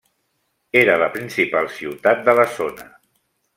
Era la principal ciutat de la zona.